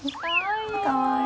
かわいい。